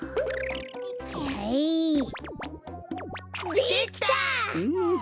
できた！